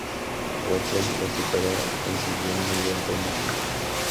Rachel lo superó y consiguió un ayudante aún mejor.